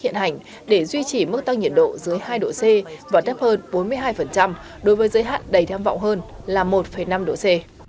hiện hành để duy trì mức tăng nhiệt độ dưới hai độ c và thấp hơn bốn mươi hai đối với giới hạn đầy tham vọng hơn là một năm độ c